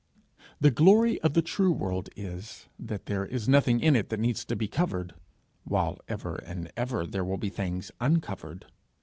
The glory of the true world is, that there is nothing in it that needs to be covered, while ever and ever there will be things uncovered.